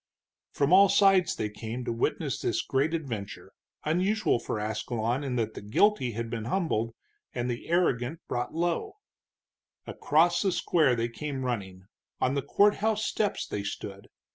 From all sides they came to witness this great adventure, unusual for Ascalon in that the guilty had been humbled and the arrogant brought low. Across the square they came running, on the courthouse steps they stood.